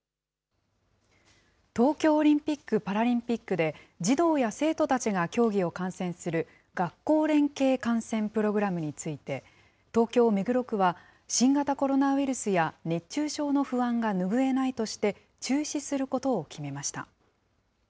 東京オリンピック・パラリンピックで、児童や生徒たちが競技を観戦する、学校連携観戦プログラムについて、東京・目黒区は、新型コロナウイルスや熱中症の不安が拭えないとして、中止することを決めました。